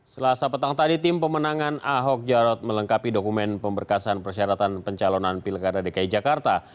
selasa petang tadi tim pemenangan ahok jarot melengkapi dokumen pemberkasan persyaratan pencalonan pilkada dki jakarta